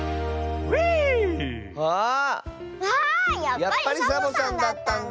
やっぱりサボさんだったんだ！